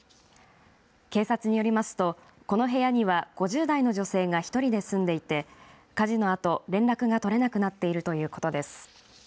警察によりますとこの部屋には５０代の女性が１人で住んでいて火事のあと連絡が取れなくなっているということです。